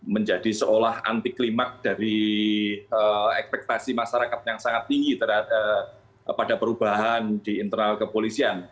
menjadi seolah anti klimak dari ekspektasi masyarakat yang sangat tinggi pada perubahan di internal kepolisian